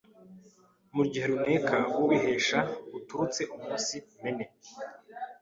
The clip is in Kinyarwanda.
mu gihe runeke ububeshe buturutse umunsi Mene